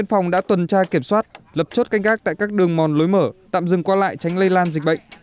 học chốt canh gác tại các đường mòn lối mở tạm dừng qua lại tránh lây lan dịch bệnh